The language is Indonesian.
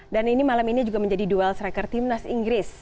dan ini malam ini juga menjadi duel striker timnas inggris